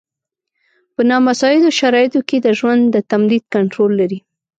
په نامساعدو شرایطو کې د ژوند د تمدید کنټرول لري.